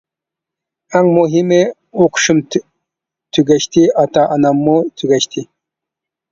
ئەڭ مۇھىمى، ئوقۇشۇم تۈگەشتى، ئاتا-ئاناممۇ تۈگەشتى.